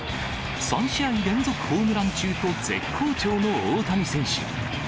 ３試合連続ホームラン中と絶好調の大谷選手。